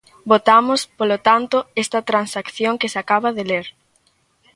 Votamos, polo tanto, esta transacción que se acaba de ler.